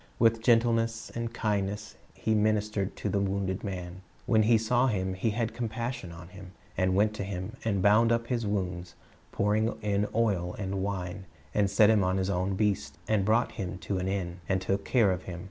With gentleness and kindness he ministered to the wounded man. "When he saw him, he had compassion on him, and went to him, and bound up his wounds, pouring in oil and wine, and set him on his own beast, and brought 3^0 CJirist's Object Lessons him to an inn, and took care of him.